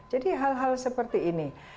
jadi hal hal seperti ini